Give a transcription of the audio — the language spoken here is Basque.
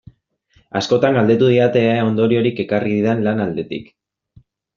Askotan galdetu didate ea ondoriorik ekarri didan lan aldetik.